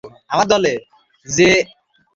একটু তো সাহায্য কর।